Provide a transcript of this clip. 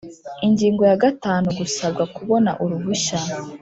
Ingingo ya gatanu Gusabwa kubona uruhushya